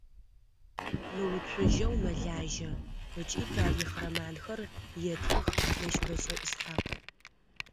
Мыуцужьэу мэлажьэ ыкӏи тарихъ романхэр етхых Мэщбэшӏэ Исхьакъ.